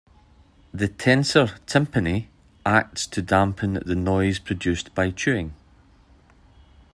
The tensor tympani acts to dampen the noise produced by chewing.